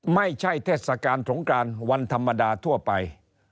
เทศกาลสงกรานวันธรรมดาทั่วไป